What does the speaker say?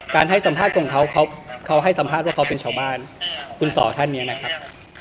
ให้สัมภาษณ์ของเขาเขาให้สัมภาษณ์ว่าเขาเป็นชาวบ้านคุณสอท่านเนี่ยนะครับ